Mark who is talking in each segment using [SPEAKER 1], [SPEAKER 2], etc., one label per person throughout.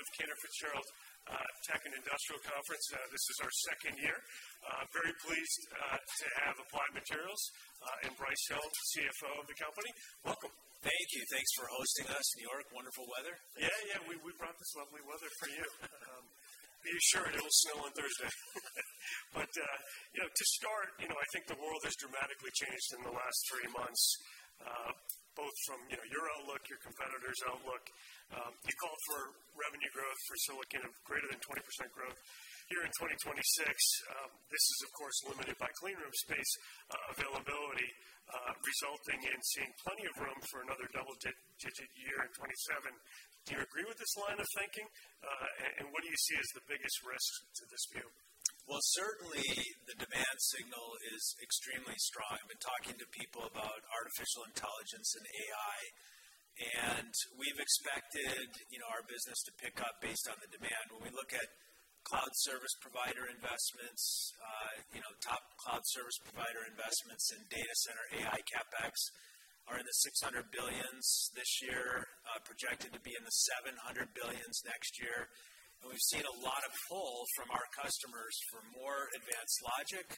[SPEAKER 1] Well, good morning. Welcome to day one of Canaccord Genuity Tech and Industrial Conference. This is our second year. Very pleased to have Applied Materials and Brice Hill, CFO of the company. Welcome.
[SPEAKER 2] Thank you. Thanks for hosting us, New York. Wonderful weather.
[SPEAKER 1] Yeah, yeah. We brought this lovely weather for you. Be assured it'll snow on Thursday. You know, to start, you know, I think the world has dramatically changed in the last three months, both from, you know, your outlook, your competitor's outlook. You called for revenue growth for silicon of greater than 20% growth here in 2026. This is of course limited by clean room space availability, resulting in seeing plenty of room for another double-digit year in 2027. Do you agree with this line of thinking? What do you see as the biggest risk to this view?
[SPEAKER 2] Well, certainly the demand signal is extremely strong. I've been talking to people about artificial intelligence and AI, and we've expected, you know, our business to pick up based on the demand. When we look at cloud service provider investments, you know, top cloud service provider investments in data center AI CapEx are $600 billion this year, projected to be $700 billion next year. We've seen a lot of pull from our customers for more advanced logic,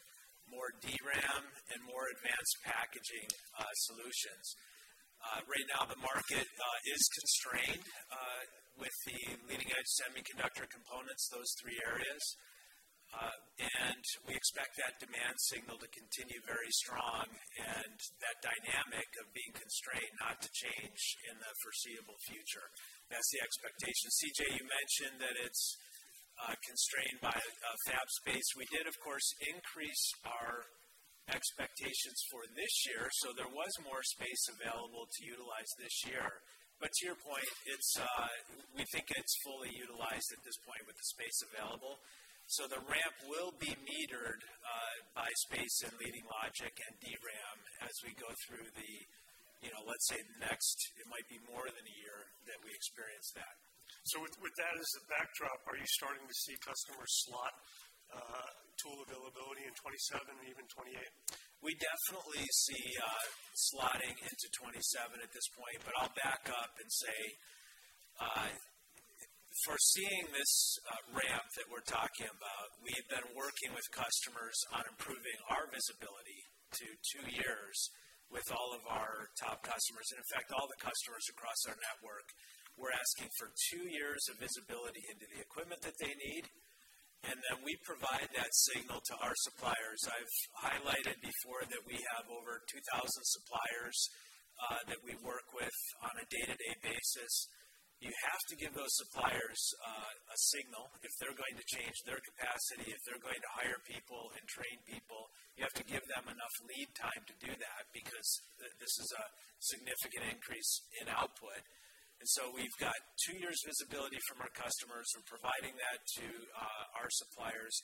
[SPEAKER 2] more DRAM, and more advanced packaging solutions. Right now the market is constrained with the leading-edge semiconductor components, those three areas. We expect that demand signal to continue very strong, and that dynamic of being constrained not to change in the foreseeable future. That's the expectation. CJ, you mentioned that it's constrained by a fab space. We did of course increase our expectations for this year, so there was more space available to utilize this year. To your point, it's we think it's fully utilized at this point with the space available. The ramp will be metered by space and leading logic and DRAM as we go through the, you know, let's say next, it might be more than a year that we experience that.
[SPEAKER 1] With that as the backdrop, are you starting to see customers slot tool availability in 2027 or even 2028?
[SPEAKER 2] We definitely see slotting into 2027 at this point, but I'll back up and say, foreseeing this ramp that we're talking about, we have been working with customers on improving our visibility to two years with all of our top customers, and in fact, all the customers across our network. We're asking for two years of visibility into the equipment that they need, and then we provide that signal to our suppliers. I've highlighted before that we have over 2,000 suppliers that we work with on a day-to-day basis. You have to give those suppliers a signal if they're going to change their capacity, if they're going to hire people and train people. You have to give them enough lead time to do that because this is a significant increase in output. We've got 2 years visibility from our customers and providing that to our suppliers.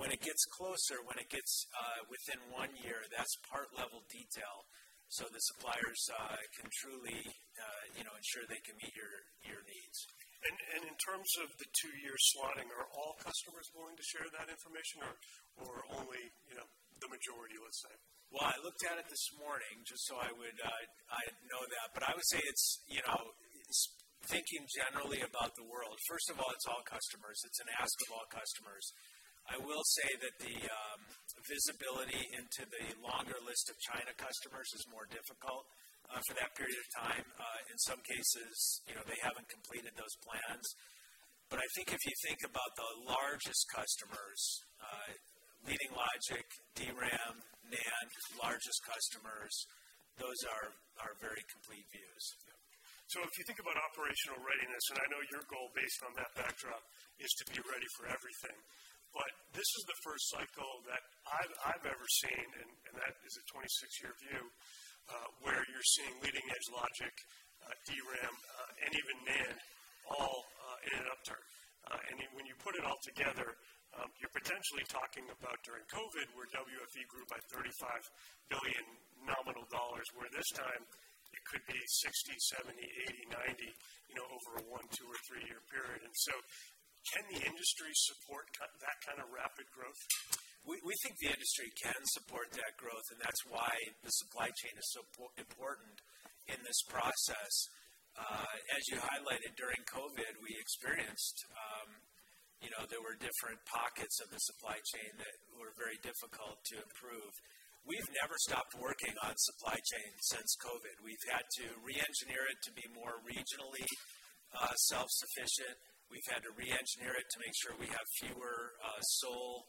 [SPEAKER 2] When it gets closer, within 1 year, that's part level detail, so the suppliers can truly, you know, ensure they can meet your needs.
[SPEAKER 1] in terms of the two-year slotting, are all customers willing to share that information or only, you know, the majority, let's say?
[SPEAKER 2] Well, I looked at it this morning, just so I would know that, but I would say it's, you know, just thinking generally about the world, first of all, it's all customers. It's an ask of all customers. I will say that the visibility into the longer list of China customers is more difficult for that period of time. In some cases, you know, they haven't completed those plans. I think if you think about the largest customers, leading logic, DRAM, NAND, largest customers, those are very complete views.
[SPEAKER 1] Yeah. If you think about operational readiness, and I know your goal based on that backdrop is to be ready for everything, but this is the first cycle that I've ever seen, and that is a 26-year view, where you're seeing leading edge logic, DRAM, and even NAND all in an upturn. When you put it all together, you're potentially talking about during COVID where WFE grew by $35 billion nominal dollars, where this time it could be $60 billion, $70 billion, $80 billion, $90 billion, you know, over a 1, 2, or 3-year period. Can the industry support that kind of rapid growth?
[SPEAKER 2] We think the industry can support that growth, and that's why the supply chain is so important in this process. As you highlighted during COVID, we experienced, you know, there were different pockets of the supply chain that were very difficult to improve. We've never stopped working on supply chain since COVID. We've had to re-engineer it to be more regionally self-sufficient. We've had to re-engineer it to make sure we have fewer sole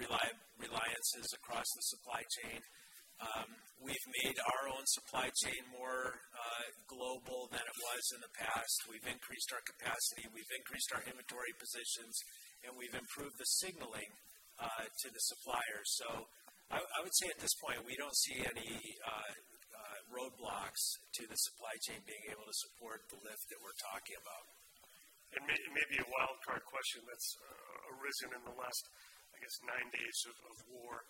[SPEAKER 2] reliances across the supply chain. We've made our own supply chain more global than it was in the past. We've increased our capacity, we've increased our inventory positions, and we've improved the signaling to the suppliers. I would say at this point, we don't see any roadblocks to the supply chain being able to support the lift that we're talking about.
[SPEAKER 1] Maybe a wild card question that's arisen in the last, I guess, nine days of war,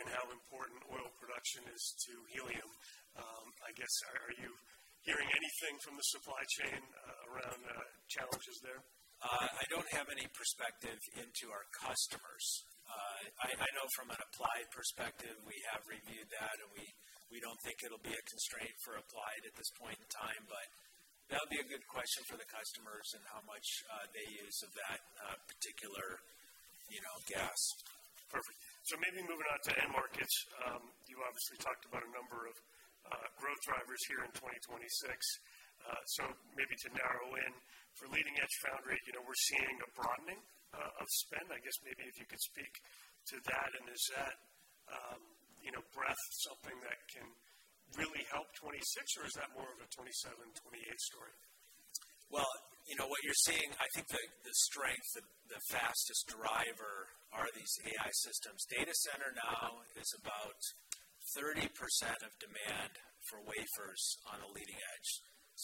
[SPEAKER 1] and how important oil production is to helium. I guess, are you hearing anything from the supply chain?
[SPEAKER 2] I don't have any perspective into our customers. I know from an Applied perspective, we have reviewed that, and we don't think it'll be a constraint for Applied at this point in time, but that would be a good question for the customers and how much they use of that particular, you know, gas.
[SPEAKER 1] Perfect. Maybe moving on to end markets, you obviously talked about a number of growth drivers here in 2026. Maybe to narrow in, for leading edge foundry, you know, we're seeing a broadening of spend. I guess maybe if you could speak to that, and is that, you know, breadth something that can really help 2026, or is that more of a 2027, 2028 story?
[SPEAKER 2] Well, you know what you're seeing, I think the strength, the fastest driver are these AI systems. Data center now is about 30% of demand for wafers on a leading edge.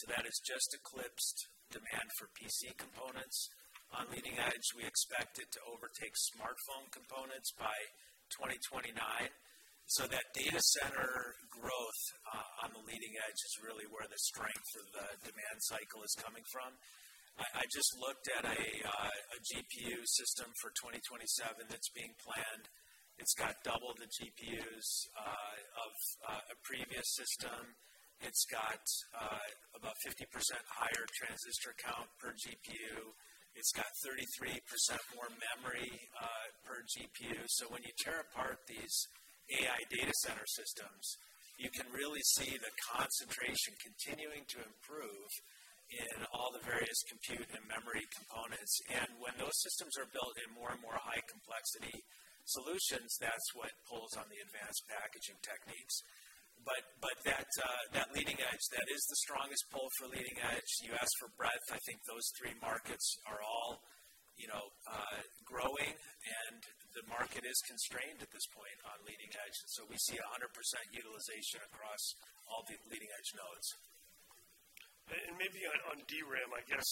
[SPEAKER 2] That has just eclipsed demand for PC components. On leading edge, we expect it to overtake smartphone components by 2029. That data center growth on the leading edge is really where the strength of the demand cycle is coming from. I just looked at a GPU system for 2027 that's being planned. It's got double the GPUs of a previous system. It's got about 50% higher transistor count per GPU. It's got 33% more memory per GPU. When you tear apart these AI data center systems, you can really see the concentration continuing to improve in all the various compute and memory components. When those systems are built in more and more high complexity solutions, that's what pulls on the advanced packaging techniques. But that leading edge, that is the strongest pull for leading edge. You asked for breadth. I think those three markets are all, you know, growing, and the market is constrained at this point on leading edge. We see 100% utilization across all the leading edge nodes.
[SPEAKER 1] Maybe on DRAM, I guess,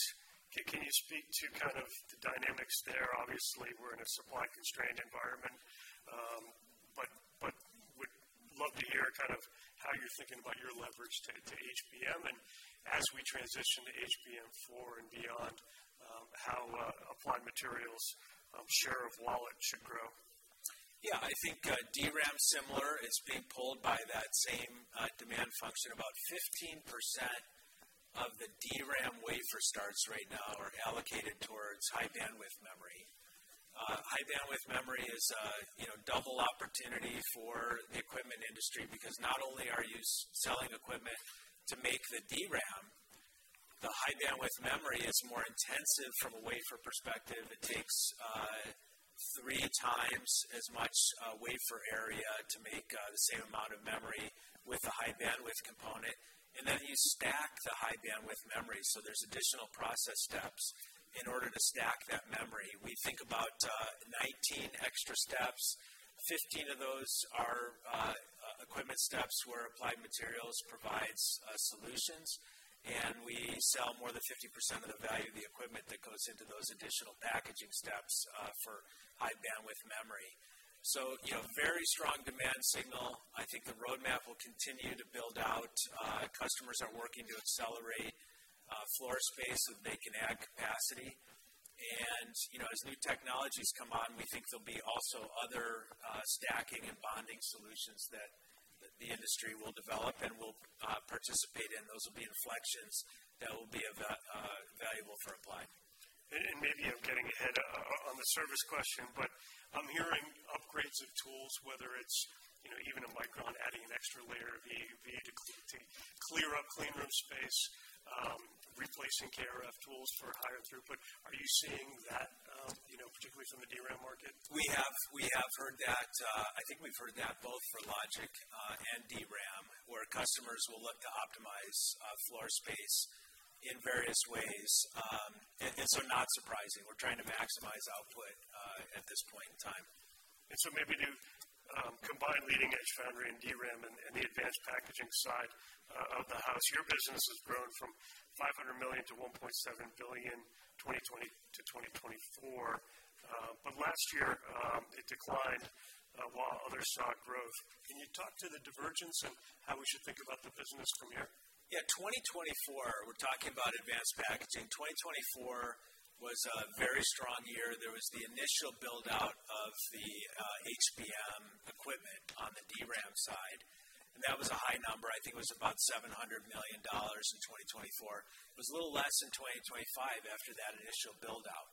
[SPEAKER 1] can you speak to kind of the dynamics there? Obviously, we're in a supply-constrained environment, but would love to hear kind of how you're thinking about your leverage to HBM, and as we transition to HBM4 and beyond, how Applied Materials share of wallet should grow.
[SPEAKER 2] Yeah. I think, DRAM similar. It's being pulled by that same, demand function. About 15% of the DRAM wafer starts right now are allocated towards high-bandwidth memory. High-bandwidth memory is a, you know, double opportunity for the equipment industry because not only are you selling equipment to make the DRAM, the high-bandwidth memory is more intensive from a wafer perspective. It takes, three times as much, wafer area to make, the same amount of memory with a high-bandwidth component. Then you stack the high-bandwidth memory, so there's additional process steps in order to stack that memory. We think about, 19 extra steps. 15 of those are, equipment steps where Applied Materials provides, solutions, and we sell more than 50% of the value of the equipment that goes into those additional packaging steps, for high-bandwidth memory. You know, very strong demand signal. I think the roadmap will continue to build out. Customers are working to accelerate floor space so that they can add capacity. You know, as new technologies come on, we think there'll be also other stacking and bonding solutions that the industry will develop and we'll participate in. Those will be inflections that will be of value for Applied.
[SPEAKER 1] Maybe I'm getting ahead on the service question, but I'm hearing upgrades of tools, whether it's, you know, even Micron adding an extra layer of EUV to clear up clean room space, replacing KrF tools for higher throughput. Are you seeing that, you know, particularly from the DRAM market?
[SPEAKER 2] We have heard that. I think we've heard that both for logic and DRAM, where customers will look to optimize floor space in various ways. It's not surprising. We're trying to maximize output at this point in time.
[SPEAKER 1] Maybe to combine leading-edge foundry and DRAM and the advanced packaging side of the house. Your business has grown from $500 million to $1.7 billion 2020 to 2024. Last year, it declined while others saw growth. Can you talk to the divergence and how we should think about the business from here?
[SPEAKER 2] Yeah. 2024, we're talking about advanced packaging. 2024 was a very strong year. There was the initial build-out of the HBM equipment on the DRAM side, and that was a high number. I think it was about $700 million in 2024. It was a little less in 2025 after that initial build-out.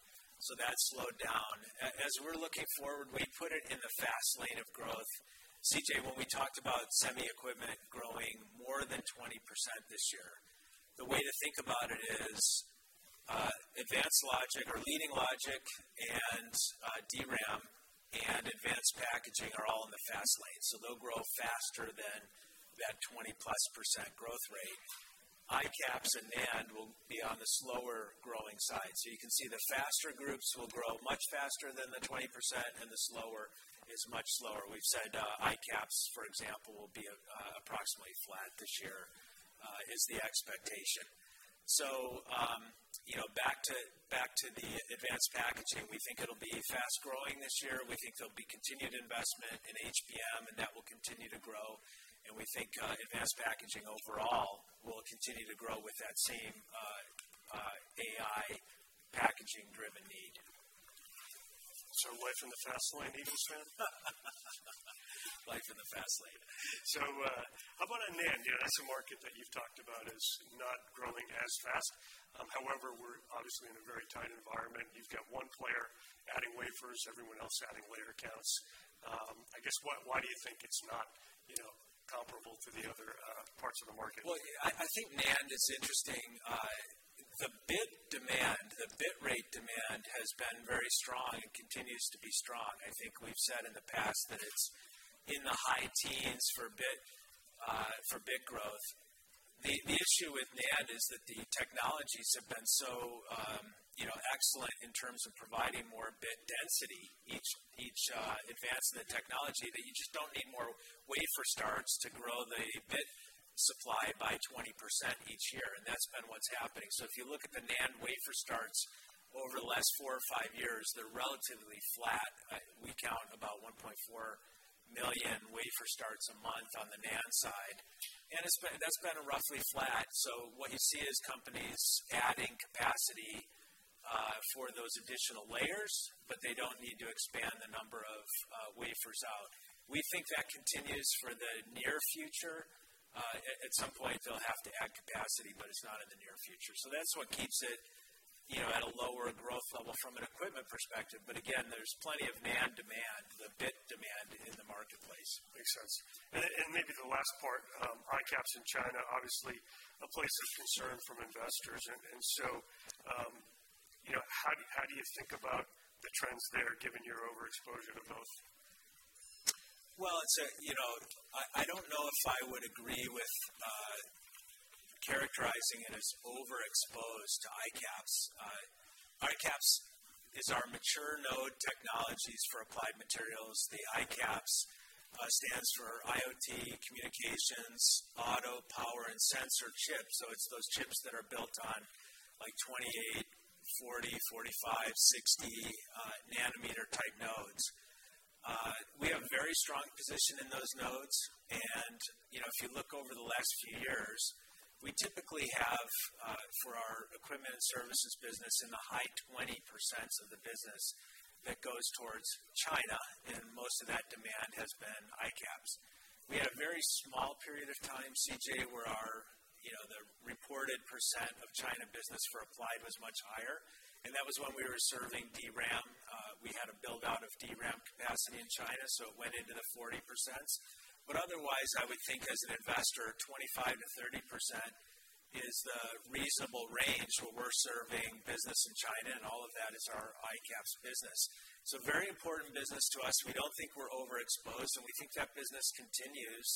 [SPEAKER 2] That slowed down. As we're looking forward, we put it in the fast lane of growth. CJ, when we talked about semi equipment growing more than 20% this year, the way to think about it is advanced logic or leading logic and DRAM and advanced packaging are all in the fast lane, so they'll grow faster than that 20%+ growth rate. ICAPS and NAND will be on the slower growing side. You can see the faster groups will grow much faster than the 20%, and the slower is much slower. We've said ICAPS, for example, will be approximately flat this year, is the expectation. You know, back to the advanced packaging. We think it'll be fast-growing this year. We think there'll be continued investment in HBM, and that will continue to grow. We think advanced packaging overall will continue to grow with that same AI packaging driven need.
[SPEAKER 1] Life in the fast lane Eagles then?
[SPEAKER 2] Life in the fast lane.
[SPEAKER 1] How about on NAND? That's a market that you've talked about as not growing as fast. However, we're obviously in a very tight environment. You've got one player adding wafers, everyone else adding layer counts. I guess why do you think it's not, you know, comparable to the other parts of the market?
[SPEAKER 2] I think NAND is interesting. The bit demand, the bit rate demand has been very strong and continues to be strong. I think we've said in the past that it's in the high teens for bit growth. The issue with NAND is that the technologies have been so, you know, excellent in terms of providing more bit density each advance in the technology that you just don't need more wafer starts to grow the bit supply by 20% each year, and that's been what's happening. If you look at the NAND wafer starts over the last four or five years, they're relatively flat. We count about 1.4 million wafer starts a month on the NAND side, and that's been roughly flat. What you see is companies adding capacity for those additional layers, but they don't need to expand the number of wafers out. We think that continues for the near future. At some point, they'll have to add capacity, but it's not in the near future. That's what keeps it, you know, at a lower growth level from an equipment perspective. Again, there's plenty of NAND demand, the bit demand in the marketplace.
[SPEAKER 1] Makes sense. Maybe the last part, ICAPS in China, obviously a place of concern from investors. You know, how do you think about the trends there, given your overexposure to both?
[SPEAKER 2] Well, it's you know, I don't know if I would agree with characterizing it as overexposed to ICAPS. ICAPS is our mature node technologies for Applied Materials. The ICAPS stands for IoT, Communications, Automotive, Power and Sensors chips. It's those chips that are built on, like, 28, 40, 45, 60 nanometer-type nodes. We have a very strong position in those nodes. You know, if you look over the last few years, we typically have for our equipment and services business in the high 20% of the business that goes towards China, and most of that demand has been ICAPS. We had a very small period of time, CJ, where our you know, the reported percent of China business for Applied was much higher, and that was when we were serving DRAM. We had a build-out of DRAM capacity in China, so it went into the 40%. Otherwise, I would think as an investor, 25%-30% is the reasonable range where we're serving business in China, and all of that is our ICAPS business. Very important business to us. We don't think we're overexposed, and we think that business continues.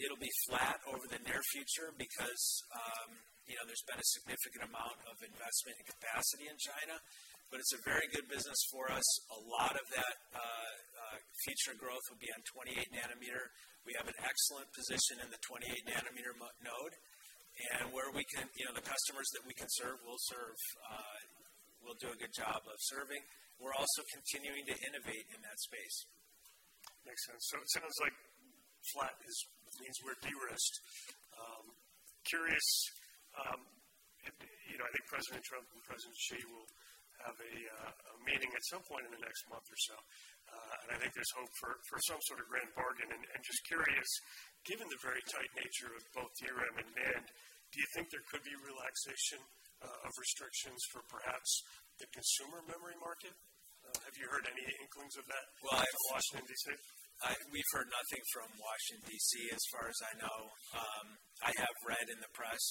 [SPEAKER 2] It'll be flat over the near future because you know, there's been a significant amount of investment and capacity in China. It's a very good business for us. A lot of that future growth will be on 28 nanometer. We have an excellent position in the 28-nanometer node, and you know, the customers that we can serve will serve will do a good job of serving. We're also continuing to innovate in that space.
[SPEAKER 1] Makes sense. It sounds like means we're de-risked. You know, I think President Trump and President Xi will have a meeting at some point in the next month or so. I think there's hope for some sort of grand bargain. Just curious, given the very tight nature of both DRAM and NAND, do you think there could be relaxation of restrictions for perhaps the consumer memory market? Have you heard any inklings of that out of Washington, D.C.?
[SPEAKER 2] Well, we've heard nothing from Washington, D.C., as far as I know. I have read in the press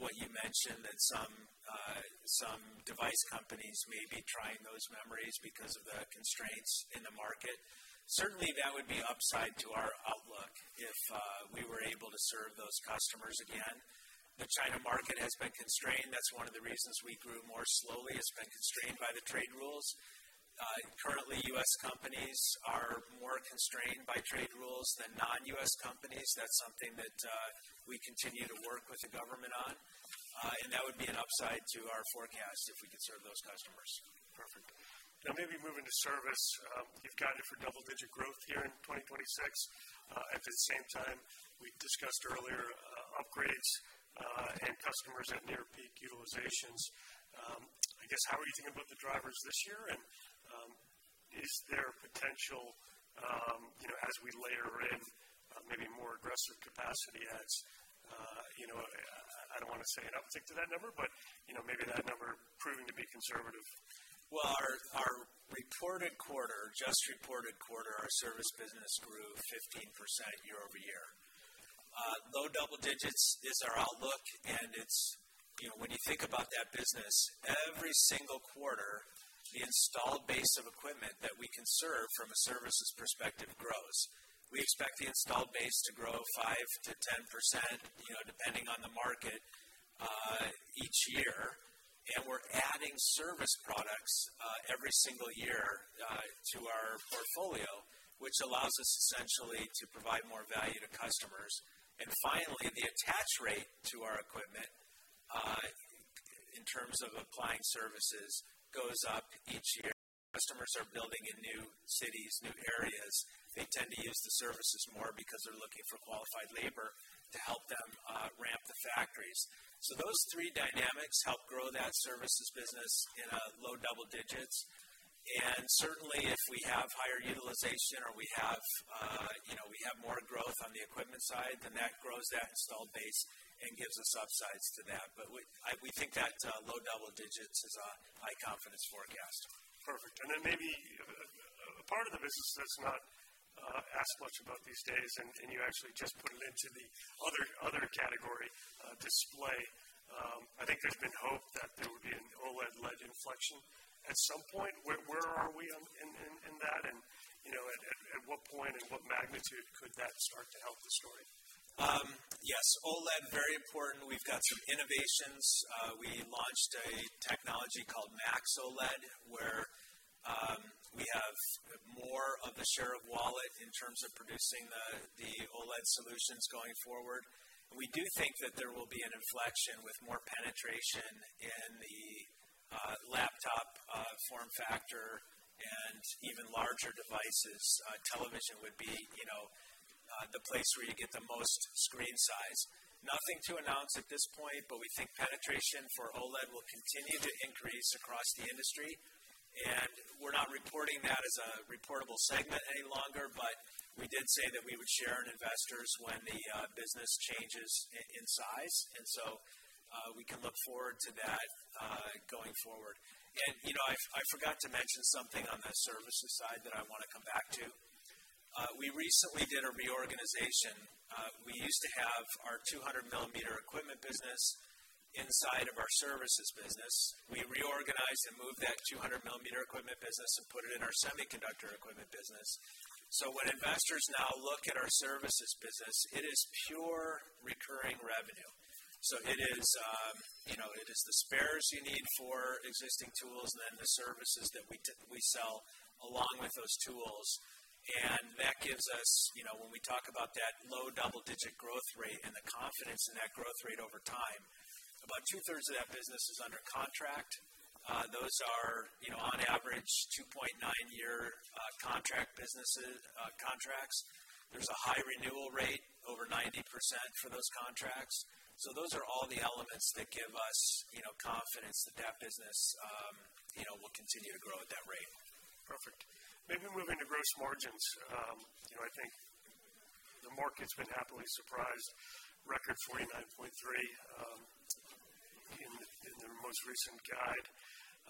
[SPEAKER 2] what you mentioned, that some device companies may be trying those memories because of the constraints in the market. Certainly, that would be upside to our outlook if we were able to serve those customers again. The China market has been constrained. That's one of the reasons we grew more slowly. It's been constrained by the trade rules. Currently, U.S. companies are more constrained by trade rules than non-U.S. companies. That's something that we continue to work with the government on. That would be an upside to our forecast if we could serve those customers.
[SPEAKER 1] Perfect. Now maybe moving to service, you've guided for double-digit growth here in 2026. At the same time, we discussed earlier, upgrades, and customers at near peak utilizations. I guess how are you thinking about the drivers this year? Is there potential, you know, as we layer in, maybe more aggressive capacity adds, you know, I don't wanna say an uptick to that number, but, you know, maybe that number proving to be conservative.
[SPEAKER 2] Well, our just reported quarter, our service business grew 15% year-over-year. Low double digits is our outlook, and it's, you know, when you think about that business, every single quarter, the installed base of equipment that we can serve from a services perspective grows. We expect the installed base to grow 5%-10%, you know, depending on the market, each year. We're adding service products every single year to our portfolio, which allows us essentially to provide more value to customers. Finally, the attach rate to our equipment in terms of applying services goes up each year. Customers are building in new cities, new areas. They tend to use the services more because they're looking for qualified labor to help them ramp the factories. Those three dynamics help grow that services business in low double digits. Certainly, if we have higher utilization or we have more growth on the equipment side, then that grows that installed base and gives us upsides to that. We think that low double digits is a high confidence forecast.
[SPEAKER 1] Perfect. Then maybe a part of the business that's not asked much about these days, and you actually just put it into the other category, display. I think there's been hope that there would be an OLED-led inflection at some point. Where are we in that? You know, at what point and what magnitude could that start to help the story?
[SPEAKER 2] Yes, OLED, very important. We've got some innovations. We launched a technology called MAX OLED, where we have more of the share of wallet in terms of producing the OLED solutions going forward. We do think that there will be an inflection with more penetration in the laptop form factor and even larger devices. Television would be, you know, the place where you get the most screen size. Nothing to announce at this point, but we think penetration for OLED will continue to increase across the industry. We're not reporting that as a reportable segment any longer, but we did say that we would share with investors when the business changes in size. We can look forward to that going forward. You know, I forgot to mention something on the services side that I wanna come back to. We recently did a reorganization. We used to have our 200 millimeter equipment business inside of our services business. We reorganized and moved that 200 millimeter equipment business and put it in our semiconductor equipment business. So when investors now look at our services business, it is pure recurring revenue. So it is, you know, it is the spares you need for existing tools and then the services that we sell along with those tools. And that gives us, you know, when we talk about that low double-digit growth rate and the confidence in that growth rate over time, about two-thirds of that business is under contract. Those are, you know, on average 2.9-year contract businesses, contracts. There's a high renewal rate, over 90% for those contracts. Those are all the elements that give us, you know, confidence that that business, you know, will continue to grow at that rate.
[SPEAKER 1] Perfect. Maybe moving to gross margins. You know, I think the market's been happily surprised, record 49.3% in the most recent guide.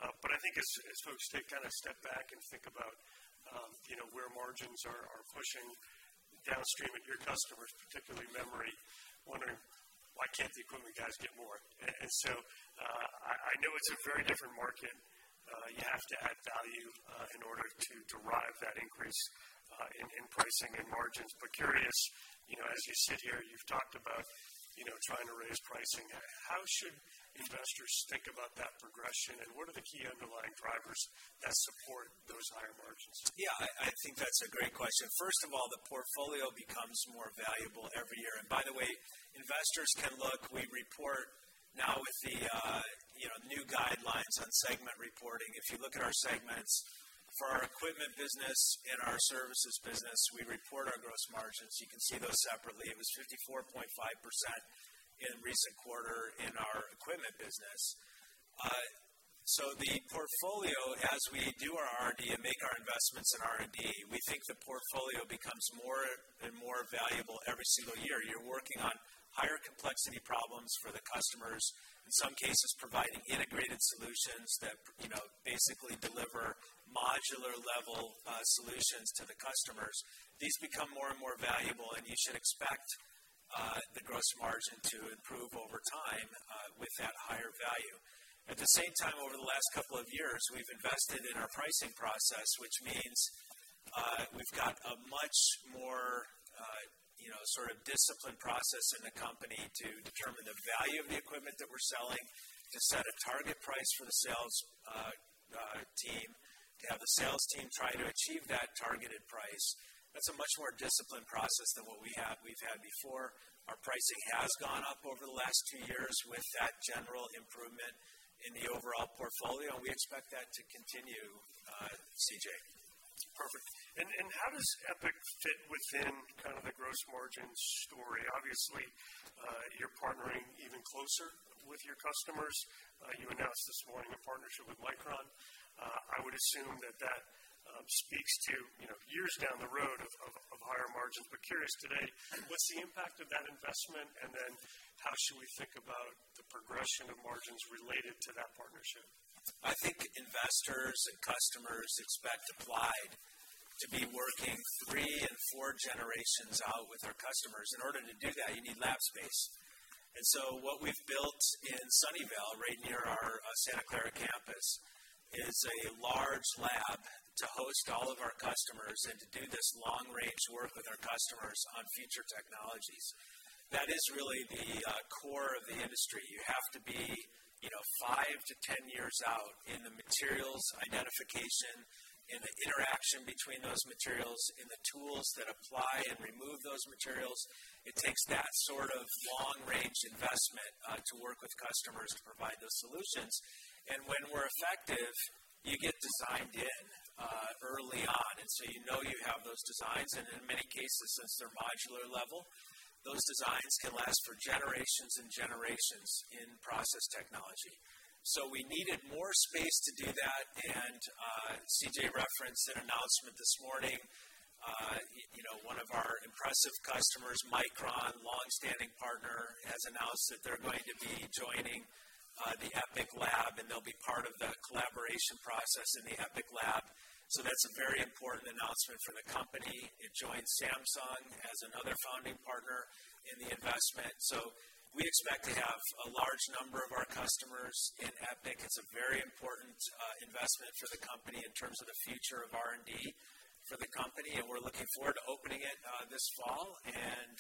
[SPEAKER 1] I think as folks take a step back and think about, you know, where margins are pushing downstream at your customers, particularly memory, wondering why can't the equipment guys get more? I know it's a very different market. You have to add value in order to derive that increase in pricing and margins. I'm curious, you know, as you sit here, you've talked about, you know, trying to raise pricing. How should investors think about that progression, and what are the key underlying drivers that support those higher margins?
[SPEAKER 2] Yeah, I think that's a great question. First of all, the portfolio becomes more valuable every year. By the way, investors can look, we report now with the, you know, new guidelines on segment reporting. If you look at our segments for our equipment business and our services business, we report our gross margins. You can see those separately. It was 54.5% in recent quarter in our equipment business. The portfolio, as we do our R&D and make our investments in R&D, we think the portfolio becomes more and more valuable every single year. You're working on higher complexity problems for the customers, in some cases, providing integrated solutions that, you know, basically deliver modular level, solutions to the customers. These become more and more valuable, and you should expect the gross margin to improve over time with that higher value. At the same time, over the last couple of years, we've invested in our pricing process, which means we've got a much more you know, sort of disciplined process in the company to determine the value of the equipment that we're selling, to set a target price for the sales team, to have the sales team try to achieve that targeted price. That's a much more disciplined process than what we've had before. Our pricing has gone up over the last few years with that general improvement in the overall portfolio, and we expect that to continue, CJ.
[SPEAKER 1] Perfect. How does EPIC fit within kind of the gross margin story? Obviously, you're partnering even closer with your customers. You announced this morning a partnership with Micron. I would assume that speaks to years down the road of higher margin. I'm curious today, what's the impact of that investment? How should we think about the progression of margins related to that partnership?
[SPEAKER 2] I think investors and customers expect Applied to be working 3 and 4 generations out with our customers. In order to do that, you need lab space. What we've built in Sunnyvale, right near our Santa Clara campus, is a large lab to host all of our customers and to do this long-range work with our customers on future technologies. That is really the core of the industry. You have to be, you know, 5 to 10 years out in the materials identification, in the interaction between those materials, in the tools that apply and remove those materials. It takes that sort of long-range investment to work with customers and provide those solutions. When we're effective, you get designed in. So you know you have those designs, and in many cases, since they're modular level, those designs can last for generations and generations in process technology. We needed more space to do that, and CJ referenced an announcement this morning. You know, one of our impressive customers, Micron, longstanding partner, has announced that they're going to be joining the EPIC Lab, and they'll be part of the collaboration process in the EPIC Lab. That's a very important announcement for the company. It joins Samsung as another founding partner in the investment. We expect to have a large number of our customers in EPIC. It's a very important investment for the company in terms of the future of R&D for the company, and we're looking forward to opening it this fall and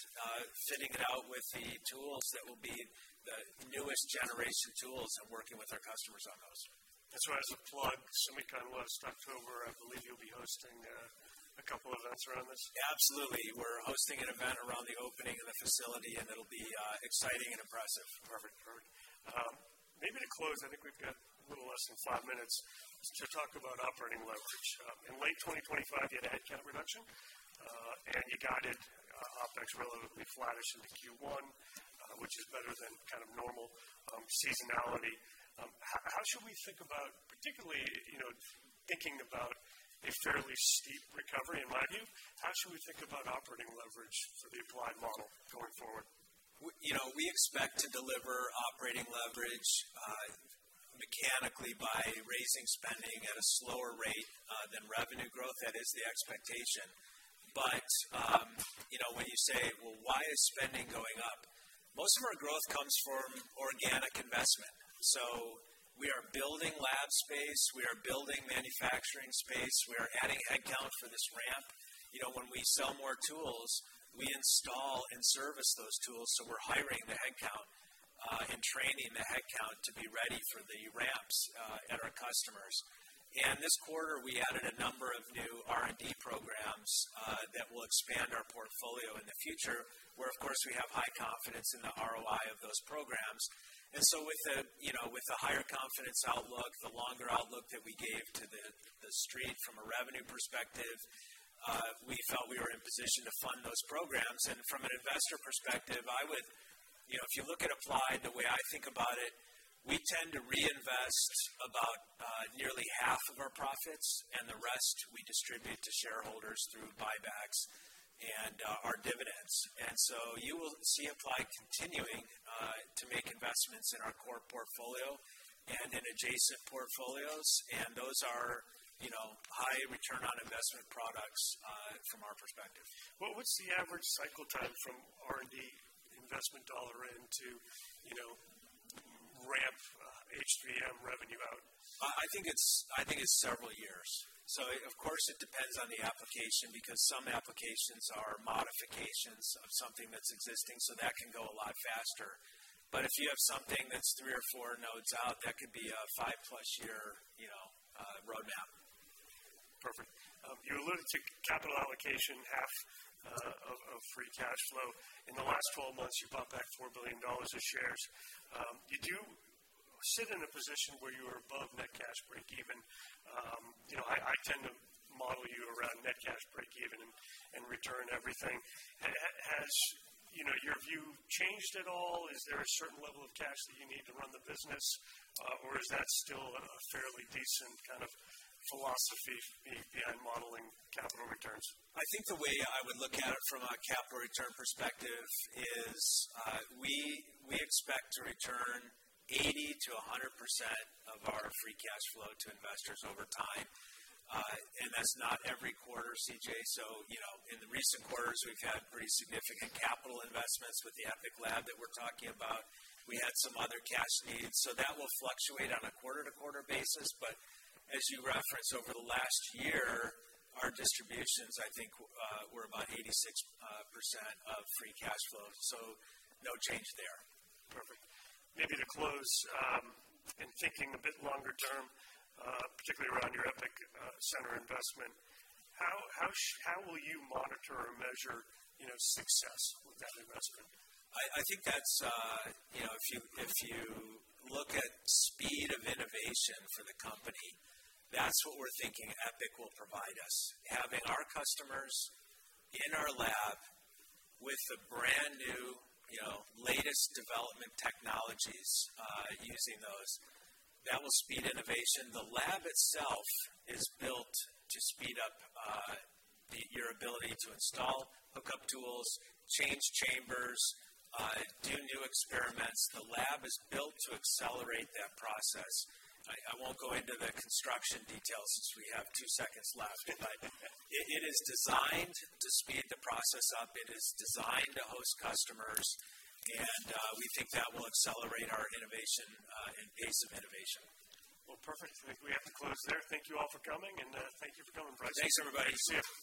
[SPEAKER 2] fitting it out with the tools that will be the newest generation tools and working with our customers on those.
[SPEAKER 1] That's right. At SEMICON last October, I believe you'll be hosting a couple events around this.
[SPEAKER 2] Absolutely. We're hosting an event around the opening of the facility, and it'll be exciting and impressive.
[SPEAKER 1] Perfect. Maybe to close, I think we've got a little less than five minutes to talk about operating leverage. In late 2025, you had headcount reduction, and you guided OpEx relatively flattish into Q1, which is better than kind of normal seasonality. How should we think about, particularly, you know, thinking about a fairly steep recovery in my view, how should we think about operating leverage for the Applied model going forward?
[SPEAKER 2] You know, we expect to deliver operating leverage mechanically by raising spending at a slower rate than revenue growth. That is the expectation. You know, when you say, "Well, why is spending going up?" Most of our growth comes from organic investment. We are building lab space. We are building manufacturing space. We are adding headcount for this ramp. You know, when we sell more tools, we install and service those tools, so we're hiring the headcount and training the headcount to be ready for the ramps at our customers. This quarter, we added a number of new R&D programs that will expand our portfolio in the future, where, of course, we have high confidence in the ROI of those programs. With the you know with the higher confidence outlook, the longer outlook that we gave to the street from a revenue perspective, we felt we were in position to fund those programs. From an investor perspective, you know, if you look at Applied, the way I think about it, we tend to reinvest about nearly half of our profits, and the rest we distribute to shareholders through buybacks and our dividends. You will see Applied continuing to make investments in our core portfolio and in adjacent portfolios, and those are, you know, high return on investment products from our perspective.
[SPEAKER 1] What was the average cycle time from R&D investment dollar in to, you know, ramp, HVM revenue out?
[SPEAKER 2] I think it's several years. Of course, it depends on the application, because some applications are modifications of something that's existing, so that can go a lot faster. If you have something that's three or four nodes out, that could be a five-plus-year, you know, roadmap.
[SPEAKER 1] Perfect. You alluded to capital allocation, half of free cash flow. In the last 12 months, you bought back $4 billion of shares. You do sit in a position where you are above net cash breakeven. You know, I tend to model you around net cash breakeven and return everything. Has your view changed at all? Is there a certain level of cash that you need to run the business, or is that still a fairly decent kind of philosophy behind modeling capital returns?
[SPEAKER 2] I think the way I would look at it from a capital return perspective is, we expect to return 80%-100% of our free cash flow to investors over time. That's not every quarter, CJ. You know, in the recent quarters, we've had pretty significant capital investments with the EPIC lab that we're talking about. We had some other cash needs, so that will fluctuate on a quarter-to-quarter basis. As you referenced, over the last year, our distributions, I think, were about 86% of free cash flow. No change there.
[SPEAKER 1] Perfect. Maybe to close, in thinking a bit longer term, particularly around your EPIC Center investment, how will you monitor or measure, you know, success with that investment?
[SPEAKER 2] I think that's, you know, if you look at speed of innovation for the company, that's what we're thinking EPIC will provide us. Having our customers in our lab with the brand new, you know, latest development technologies, using those, that will speed innovation. The lab itself is built to speed up your ability to install, hook up tools, change chambers, do new experiments. The lab is built to accelerate that process. I won't go into the construction details since we have two seconds left. It is designed to speed the process up. It is designed to host customers, and we think that will accelerate our innovation and pace of innovation.
[SPEAKER 1] Well, perfect. I think we have to close there. Thank you all for coming, and thank you for coming, Brice.
[SPEAKER 2] Thanks, everybody.
[SPEAKER 1] Good to see you.